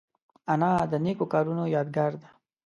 انا د نیکو کارونو یادګار ده